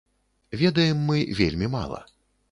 Ведаем мы вельмі мала.